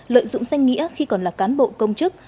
lợi dụng danh nghĩa khi còn là cán bộ công chức